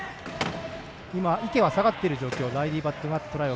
池は下がっている状況。